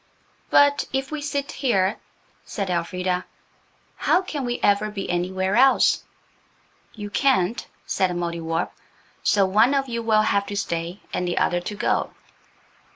"But if we sit here," said Elfrida, "how can we ever be anywhere else?" "You can't," said the Mouldiwarp. "So one of you will have to stay and the other to go."